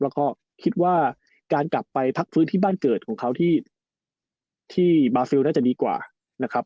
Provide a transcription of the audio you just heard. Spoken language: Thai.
แล้วก็คิดว่าการกลับไปพักฟื้นที่บ้านเกิดของเขาที่บาซิลน่าจะดีกว่านะครับ